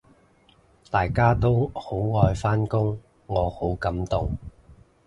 大家都好愛返工，我好感動